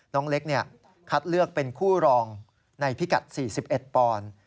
น้องเล็กคัดเลือกเป็นคู่รองในพิกัด๔๑ปอนด์